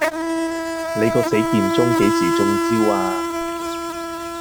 你個死健忠幾時中招呀